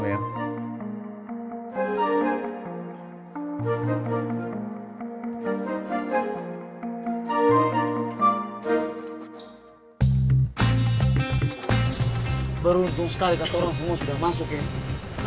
beruntung sekali kata orang semua sudah masuk ya